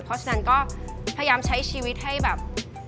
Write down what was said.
เพราะฉะนั้นก็พยายามใช้ชีวิตให้แบบ